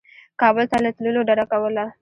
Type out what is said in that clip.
کابل ته له تللو ډده کوله.